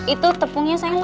itu tepungnya sayang